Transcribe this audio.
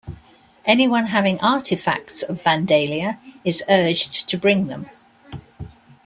Anyone having artifacts of Vandalia is urged to bring them.